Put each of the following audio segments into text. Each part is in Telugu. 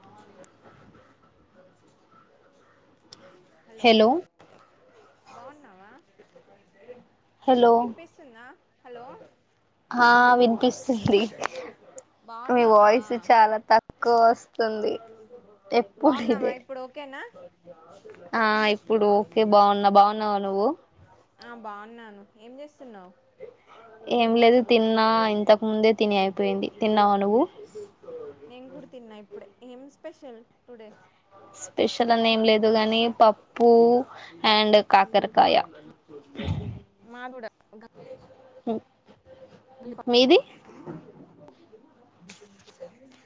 పవళిక్ [unintelligible] హలో బావున్నావా హలో వినిపిస్తుందా హలో ఆ వినిపిస్తుంది మీ బాగున్నావా వాయిస్ చాలా త తక్కువ వస్తుంది ఎప్పుడు బాగున్నావా ఇదే ఇప్పుడు ఓకేనా ఆ ఇప్పుడు ఓకే బాగున్నా బాగున్నావా నువ్వు ఆ బాగున్నాను ఏం చేస్తున్నావు ఏం లేదు తిన్నా ఇంతకు ముందే తిని అయిపోయింది తిన్నావు నువు నేను కూడా తిన్నా ఇప్పుడే ఏం స్పెషల్ టుడే స్పెషల్ అని ఏం లేదు గాని పప్పు అండ్ కాకరకాయ మాది కూడా గంగవల్లి పప్పు మీది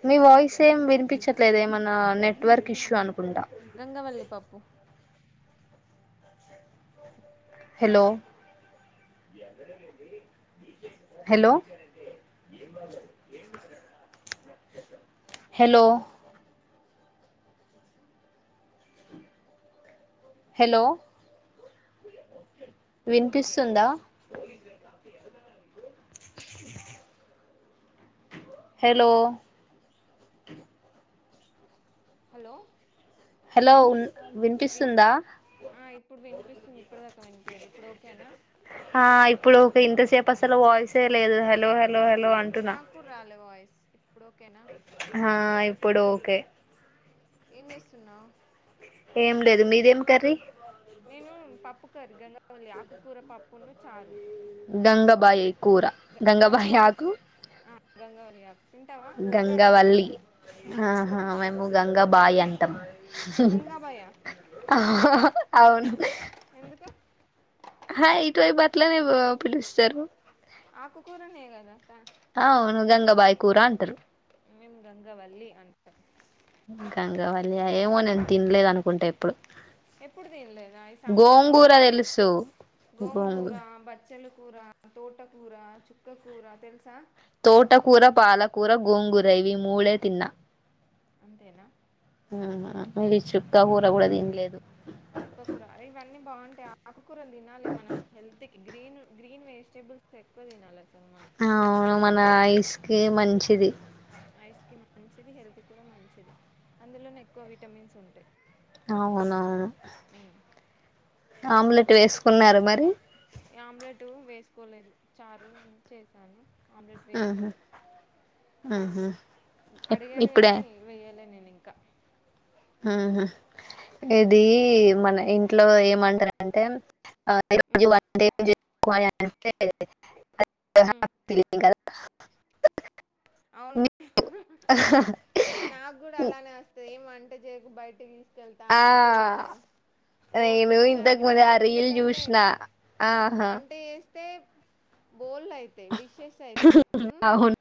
మీ వాయిస్ ఏం వినిపించట్లేదు ఏమన్నా నెట్వర్క్ ఇష్యూ అనుకుంటా గంగవల్లి పప్పు హలో హలో హలో హలో వినిపిస్తుందా హలో హలో హలో ఉన్ వి వినిపిస్తుందా ఆ ఇప్పుడు వినిపిస్తుంది ఇప్పటిదాకా వినిపియలే ఇప్పుడు ఓకేనా ఆ ఇప్పుడు ఒకే ఇంతసేపు అసలు వాయిసే లేదు హలో హలో హలో అంటు నాకు రాలే వాయిస్ ఇప్పుడు ఓకేనా హా ఇప్పుడు ఓకే ఏం చేస్తున్నావు ఏం లేదు మీదేం కర్రీ నేను పప్పు కర్రీ గంగావలి ఆకుకూర పప్పును చారు గంగబాయి కూర గంగబాయి ఆకు గంగవలీ ఆకు తింటావా తింటారా మీరు గంగవల్లి ఆహా మేము గంగా బాయి అంటాం గంగాబాయ అవును ఎందు ఎందుకు హ ఇటువైపుట్లనే పిలుస్తారు ఆకుకూరనే గదా ఆ అవును గంగబాయి కూర అంటారు మేము గంగవల్లి అంట గంగావళ్ళి ఏమో నేను తినలేదు అనుకుంట ఎప్పుడు ఎప్పుడు తినలేదు ఇ సమ్మర్ లో గోంగూర వస్తుంది తెలుసు గోంగూర బ చ్చలు కూర, తోటకూర, చుక్కకూర తెలుసా తోటకూర పాలకూర గోంగుర ఇవి మూడే తిన్నా అంతేనా ఊ ఆమవి చుక్క కూర కూడా తిన్లేదు చుక్కకూర ఇవన్నీ బాగుంటాయి ఆకుకూరలు తినాలి మనం హెల్త్ కి గ్రీన్ గ్రీన్ వెజిటేబుల్స్ ఎక్కువ తినాలి అసల్ మనం అవును మన ఐస్ కి మంచిది ఐస్ కీ మంచిది హెల్త్ కూడా మంచిది అందులోనే ఎక్కువ విటమిన్స్ ఉంటాయి అవునవును ఆమ్లెట్ వేసుకున్నార మరి ఆమ్లెట్ వేసుకోలేదు చారు చేసాను ఆమ్లెట్ ఆహా వేసుకోలె ఆహా అడిగారు ఇప్పుడే కానీ వేయలె నేను ఇంకా ఉహు ఇది మన ఇంట్లో ఏమంటారంటే ఈ రోజు మ్మ్ వంట ఏం జెస్కోలే అంటే మ్మ్ [unintelligible] అవును నాకు కూడా అలానే వస్తది ఏం వంట చేకు బయటకి తీస్ ఆ వెళ్తానంటే ఒ ఓ నేను ఫుల్ ఇంతకు ముందు హ్యాపీనెస్ ఆ రీల్ ఎందుకంటే చూసిన ఆహా వంట చేేస్తే బోల్ అయితయ్ డిషెస్ అయితయ్ ఉ అవును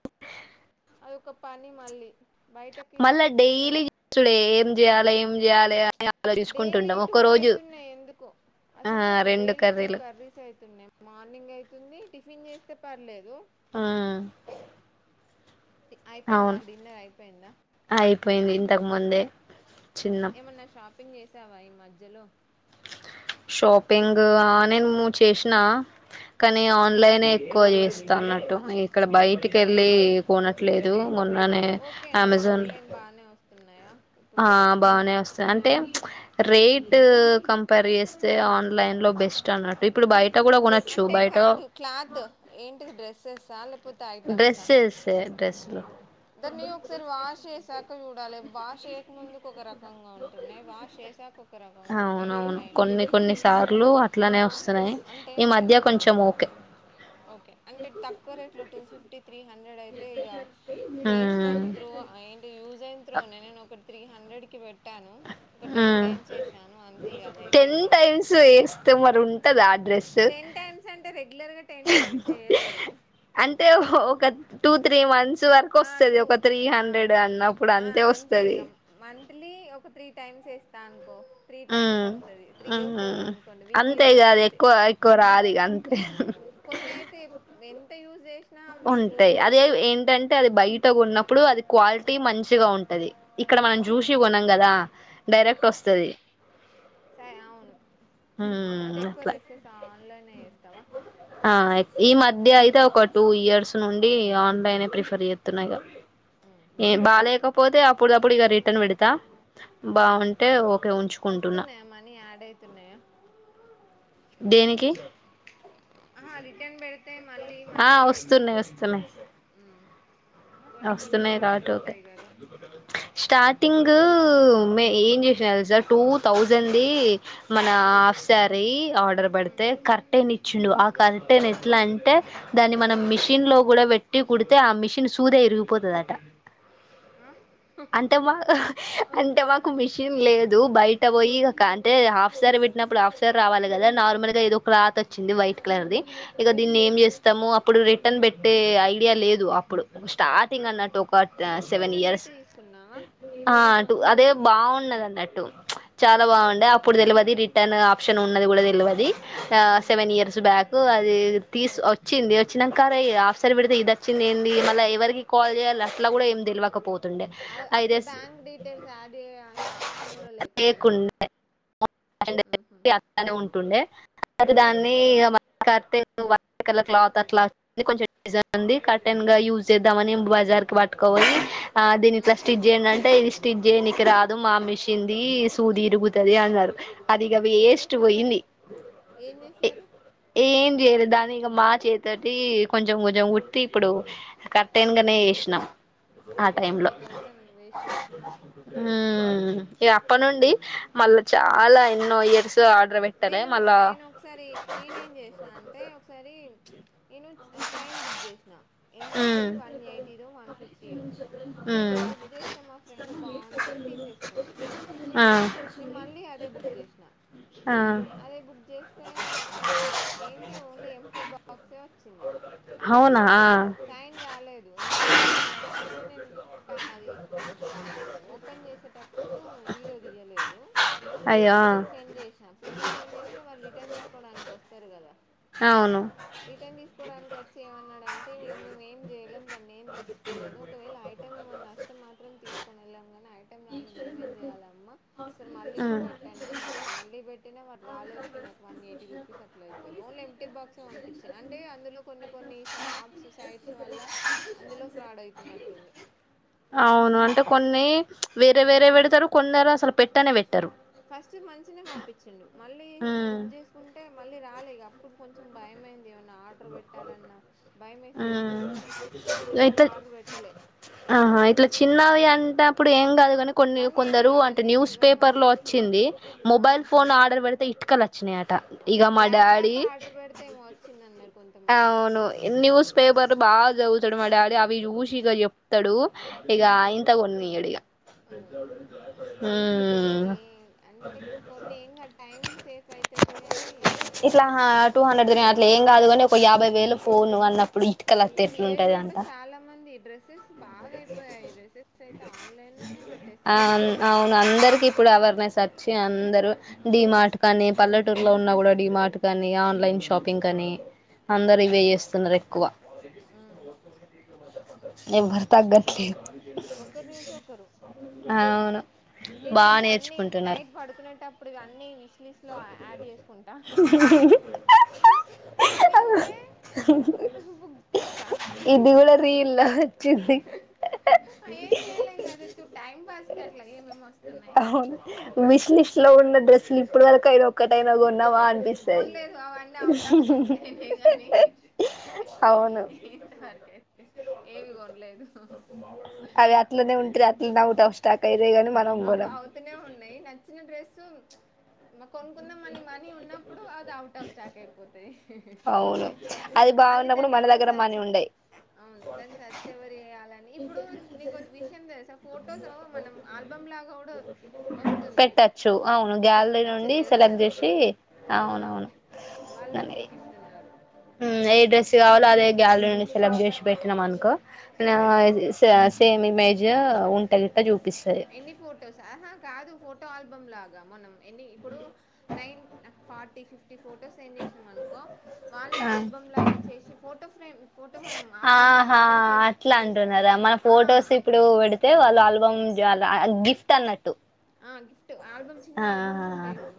అదొక పని మళ్ళీ బయటకి తీసుకొని టుడే ఏం చేయాలి ఏం చేయాలి అని డైలీ ఆలోచించకుంటుంటాం టూ ఒక్కరోజు అయితున్నాయి ఎందుకో అసలు డైలీ టూ కర్రీస్ అవుతున్నాయి మార్నింగ్ అవుతుంది టిఫిన్ చేస్తే పర్లేదు ఆ అయిపోయిందా అవును డిన్నర్ అయిపోయిందా అయిపోయింది ఇంతకు ముందే చిన్న ఏమన్నా షాపింగ్ చేసావా ఈ మధ్యలో షాపింగ్ ఆ నేను ము చేసినా కానీ ఆన్లైన్ ఎక్కువ చేస్ అన్నట్టు ఇక్కడ బయటికెళ్ళి కొనట్లేదు మొన్ననే అమెజాన్ లో తున్నాయా ఆ బానే వస్తది అంటే ప్చ్ రేట్ కం పర్ చేస్తే ఆన్లైన్ లో బెస్ట్ అన్నట్టు ఇప్పుడు బయట కూడా కొనొచ్చు అంటే బయట కాదు క్లాత్ ఏంటిది డ్రెస్సెస్సా లేకపోతే డ్రెస్సేసె డ్రెస్లు దనివ్వు ఒకసారి వాష్ చేసాక చూడాలి వాష్ చేయక ముందుకు ఒక రకంగా ఉంటున్నాయి వాష్ చేసాక ఒక రకంగా ఉంటాయి అవునవును ఆన్లైన్లో కొన్ని కొన్ని సార్లు అట్లానే వస్తున్నాయి అంటే ఈ మధ్య కొంచెం ఓకే ఓకే అంటే తక్కువ రేట్లో టూ ఫిఫ్టీ త్రీ హండ్రెడ్ అయితే ఇక వేస్ట్ ఉమ్ ఆఫ్ త్రో ఏంటి యూజ్ అయిన త్రోనే నేను ఒకటి త్రీ హండ్రెడ్ కి పెట్టాను ఒక టెన్ ఉమ్ టైమ్స్ వేసాను అంతే ఇక అది టెన్ అయిపోయింది ఇక టైమ్స్ వేస్తే మరి ఉంటది ఆ డ్రెస్ టెన్ టైమ్స్ అంటే రెగ్యులర్గా టెన్ టైమ్స్ వేయలేదు అంటే ఒక టూ త్రీ మంత్స్ సు వరకు ఆ! వస్తుది టూ ఒక త్రీ ఆ! హండ్రెడ్ అన్నప్పుడు ఆ! అంతే వస్తాది ఇగ మంత్లీ ఒక త్రీ టైమ్స్ వేస్తా అనుకో త్రీ టైమ్స్ ఉమ్ అయితది త్రీయో ఫోరో ఉమ్ అనుకోండి వీక్లీ అంతే ఇగ వన్స్ అది అయితే ఎక్కువ ఎక్కువ రాదు ఇగ అంతే అవును కొన్ని అయితే ఎంత యూస్ చేసిన ఉంటాయి అది ఏంటంటే అది బయ్ ట ఉన్నప్పుడు అది క్వాలిటీ మంచిగా ఉంటది ఇక్కడ మనం అంటే చూసి కొన్నాం కదా డైరెక్ట్ వస్తది సరే అవును అంటే హ్మ్ ఎక్కువ అట్లా డ్రెస్సెస్ ఆన్లైన్లో చేస్తావా ఆ ఈమధ్య అయితే ఒక టూ ఇయర్స్ నుండి ఆన్లైనే ప్రిఫర్ చేస్తున్న ఇగ ఏ బయటికెళ్ళి బాలేకపోతే అ అప్పుడప్పుడు రిటర్న్ పెడతా ఆ బాగుంటే ఓకే ఉంచుకుంటున్న వస్తున్నాయా మనీ యాడ్ అవుతున్నాయా దేనికి ఆ రిటన్ పెడితే మళ్లీ ఆ మనీ వస్తున్నాయి వస్తున్నాయి ఉ కొన్ని కొన్ని వస్తున్నాయి ఫ్రాడ్ కాబట్టి ఓకే ఉంటాయి కదా స్టార్టింగ్ మే ఏం చేసినాడో తెలుసా టు తౌసండ్ ది మన హాఫ్ సారీ ఆర్డర్ పెడితే కరె టెన్ ఇచ్చిండు ఆ కరెట్న్ ఎట్లా అంటే దాని మనం మి మిషన్లో కూడా పెట్టి కుడితే ఆ మిషిన్ సూదే విరిగిపోతుందట ఆ అంటే మా అంటే మాకు మిషన్ లేదు బయట పోయి ఒక అంటే హాఫ్ సారీ పెట్టి పెట్టినప్పుడు హాఫ్ సారీ రావాలి కదా నార్మల్ గా ఏదో క్లాత్ వచ్చింది వైట్ కలర్ ది ఇక దీన్ని ఏం చేస్తాము అప్పుడు రిటర్న్ పెట్టే ఐడియా లేదు అప్పుడు స్టార్టింగ్ అన్నట్టు ఒక టూ సెవెన్ థౌజండ్ ఇయర్స్ పెట్టి తీసుకున్నావా అటు అదే బాగున్నది అన్నట్టు చాలా ఉమ్, బాగుండే అ అప్పుడు తెలువది రిటర్న్ ఆప్షన్ ఉన్నది కూడా తెలవది ఉమ్. సెవెన్ ఇయర్స్ బ్యాక్ కు అది తీసి వచ్చింది వచ్చినంక ఆరే ఆఫ్ సారీ పెడితే ఇది వచ్చింది ఏంది అలా ఎవరికి కాల్ చేయాలి అట్లా కూడా ఏం తెలవక పోతుండే ఆ- అప్పుడు బ్యాంక్ డీటెయిల్స్ యాడ్ చేయ ఆప్షన్ కూడా యి లేకుండానా లేకుండే అ ఉమ్, అట్లనే ఉంటుండే మరి దాన్ని ఇ కతే వ కల క్లాత్ అట్లా [inaudible] కొంచెం గలీజ్గా ఉంది కటెన్ గా యూస్ చేద్దామని బజార్ కి పట్టుకపోయి ఆ దీన్ని ఉమ్. [inaudible] ఏందంటే ఇది స్టిచ్ చేయనికి రాదు మా మిషిన్ ది సూది ఇరుగుతాది అన్నారు అదిగా ఏం వేస్ట్ చేశారు మరి పోయింది ఏం ఏ చేశారు ఏం చేయలేదు దాని ఇక మా చేత్తోటి కొంచెం కొంచెం కుట్టి ఇప్పుడు కర్టెన్ గాని వేసినామ్ ఆ అబ్బ టూ టైంలో థౌజండ్ వేస్ట్ చేసినావా ఉ ఇగ అప్పటినుండి మల్ల చాలా ఎన్నో ఇయర్స్ ఆ నేను నేను ఒకసారి నేనేం చేసినాను అంటే ఒకసారి మీచ్ నేను చైన్ బుక్ చేసినా ఎంత ఉమ్ అది వన్ యైతి నో వన్ ఫిఫ్టీ నో అయితే ఉమ్ నేను బుక్ చేస్తే మా ఫ్రెండు బాగుందని తీసేస్కోంది ఆ చేసిన ఆ అదే బుక్ చేస్తే వచ్చింది ఏంటి ఓన్లీ ఎంప్టీ బాక్స్ వచ్చింది అవునా చైనా రాలేదు ఎంప్టీ బాక్సే వచ్చింది నేను క అది కా అది ఓపెన్ జేసేటప్పుడు వీడియో దియ్యలేదు అయ్యో ఆ పిక్సు సెండ్ జేసిన పిక్స్ సెండ్ చేస్తే వాళ్ళు రిటర్న్ తీస్కోడానికి వస్తారు గదా! హవును రిటర్న్ తీస్కోడానికి వచ్చి ఏమన్నాడండ్ టే మేం మేమ్ ఏం చేయలేం దాన్ని ఏం తీసుకోలేదు ఒకవేళ ఐటమ్ ఏమన్నా అస్తే మాత్రం తీస్ కొనేళ్లమ్ గాని ఐటమ్ రాంది మేమేం చేయాలమ్మా ఒకసారి మళ్ళీ ఉమ్ పెట్టండి అని అన్నాడు మళ్ళీ పెట్టినా వాడు రాలేదు ఇక నాకు వన్ ఎయిటీ రూప్ [unintelligible] అయిపోయింది ఓన్లీ ఎంప్టీ బాక్స్ పంపించిన అంటే అందులో కొన్ని కొన్ని ష ఆప్స్ సైట్స్ వల్ల అందులో ఫ్రాడ్ అయితున్నట్టుంది అవును అంటే కొన్ని ప్చ్ వేరే ఉమ్. వేరే వెడ్తరు కొందరసలు పెట్టనే వెట్టారు ఫస్ట్ ద్ మంచినే పంపించిండు మళ్ళీ ఉమ్ బుక్ చేసుకుంటే మళ్ళీ రాలే ఇగ ఇప్పుడు కొంచెం భయమైంది ఏమన్నా ఆడ్ ఆర్డర్ వెట్టాలన్న ఉమ్ భయమేసేశిసింది ఇగ్ కొన్ని రోజులు ఆర్డర్ వెట్టలే ఆహాఁ ఇట్ల చిన్నవి అంటప్పుడు ఏం కాదు గాని కొన్నియూ వన్ కొందరు ఎయిటీగా వన్ అంటే న్యూస్ ఎయిటీవో వన్ పేపర్లో ఫిఫ్టీయో వొచ్చింది ఆ మొబైల్ ఫోన్ ఆర్డర్ వెడ్తే ఇటికల్ అచ్ చ్చినయాట అవును ల్యాప్టాప్ ఆర్డర్ పెడితే ఏమో వచ్చిందన్నారు కొద్ అవును న్యూస్ పేపర్ బాగ్ జవుతడు మా డాడీ అ అవి చూషి ఇగ జేప్ ప్తాడు ఇగ అయింత కొన్నియాడు ఇగ అవును అంటే ఏ అంటే కొన్ని ఏంగాదు టైం సేఫ్ అయితాది అని ఇట్లా టూ హండ్రెడ్ తోని అట్ల ఏంగాదు కాని ఒక యాభై వేల ఫోను అన్నప్పుడు ఇ ఇప్పుడు విలేజ్ లో కూడా చాలా మంది డ్రస్సెస్ బాగా అయిపోయాయి డ్రెస్సెస్ అయితే ఆన్లైన్ లానే బెట్టేస్ అవున్ అవును అందరికి ఇప్పుడు అవేర్నెస్ అచ్చి అందరూ డి అవును మార్ట్ కాని పల్లెటూరులో మ్ ఉన్నా గూడ డిమార్ట్ కానీ ఆన్లైన్ షాపింగ్ కానీ అందరు ఇవే చేస్తున్నరు ఎక్కువ హ్మ్ఁ ఎవ్వర్ తగ్గట్లేద్ ఒకరిని చూశి ఒకరు అవును బాగా నేనైతే అన్ని నేర్చుకుంటున్నారు నైట్ పడుకునేటప్పుడు ఇవి అన్ని విష్ లిష్ ట్లో యాడ్ జేస్కుంట మనీ ఉంటే బుగ్ జేస్తా ఇది కూడా రీల్లో వచ్చింది ఏం చేయలేం కదా చూడ్ టైమ్ పాస్ కట్ల ఏం అవును మిష్లిస్ట్ లో ఉన్న డ్రెస్సులు ఇప్పుడ్ వరకు అయిన ఒక్కటైనా కొన్నావా అనిపిస్తు కొన్లేదు అవన్నీ అవుట్ ఆఫ్ స్టాక్ అయినాయి గాని అవును ఇంతవరకు అయితే ఏవి కొన్లేదు అవి అట్లనే ఉంటది అట్లనే ఔట్ ఆఫ్ స్టాక్ అయితై గాని మనం గోనం కొన్నే ఉన్నయి నచ్చిన డ్రెస్సు ప్చ్ మ కొన్కుందమని మనీ ఉన్నప్పుడు అది ఔట్ ఆఫ్ స్టాక్ అయిపోతది అవును అది మళ్లీ బాగున్నప్పుడు దాన్ని మన ఎవరు దగ్గర మనీ సర్చి ఉండయి అవును దాన్ని సర్చ్ ఎవరు చేయాలని ఇప్పుడూ నీకోటి విషయం తెల్సా ఫోట్ ఫోటోస్ మనం ఆల్బమ్ లాగా కూడ ఒస్తుంది పెట్టచ్చు అవును తే గ్యాలరీ వచ్చే నుండి తెల్సా సెలెక్ట్ చేసి నీగ్గూడ ఆఁ అవునవును వాళ్ళే చేశిస్తున్నారు హ్మ్ఁ ఏ డ్రెస్ కావాలో అదే గ్యాలరీ నుండి సెలక్ట్ జేసీ పెట్టినం అనుకో నా ఆ త్యా సేమ్ ఇమేజు ఉంటే గిట్ట జూపిస్తది ఎన్ని ఫొటోస్ హఁ కాదు ఫోటో ఆల్బమ్ లాగా మనం ఎన్ని ఇప్పుడు nine forty fifty photos send చేసినాం అనుకో వాళ్ళే ఆ ఆల్బం లాగా చేసి ఫోటో ఫ్రేమ్ ఫోటో మనం ఆల్బమ్ ఆహా లాగానే చేసి అట్లా చేస్తున్నాం అంటున్నారా మన ఫొటోస్ ఇప్పుడు పెడితే వాళ్ళు అల్బమ్ గిఫ్ట్ అన్నట్టు ఆ గిఫ్ట్ ఆల్బమ్ చిన్న ఆ ఆల్బమ్స్ ఉంటాయి చూడు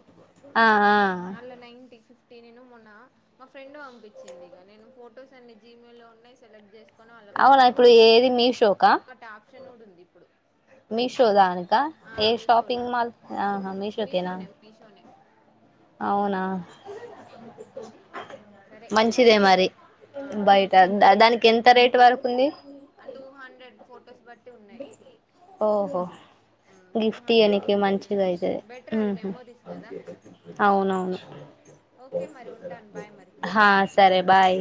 ఆ ఆ ఆళ్ళ నైన్టీ ఫిఫ్ నేను మొన్న మా ఫ్రెండ్ పంపించింది ఇక నేను ఫొటోస్ అన్ని జీమెయి లో ఉన్నాయి సెలెక్ట్ చేస్ అవునా ఇప్పుడు ఏది మీషో ఒకటి ఆప్షన్ కూడా ఉంది ఇప్పుడు మీషో దానికా ఆ ఏ మీషోలా షాపింగ్ మాల్ ఆహా మీషోకేనా మీషోనే మీషోనే అవునా ఉ మంచిదే మరి ఆ అది బయట దానికి ఎంత రేటు వరకు ఉంది ఆ టూ హండ్రెడ్ ఫొటోస్ బట్టి ఉన్నాయి ఓహో టూ గిఫ్ట్ హండ్రెడ్ టూ ఇయనికి ఫిఫ్టీ మంచిది నుంచి ఐతే బెటర్ అది ఉహు మెమోరీస్ కదా అవునవును ఓకే మరి ఉంటాను బాయ్ మరి హా సరే బాయ్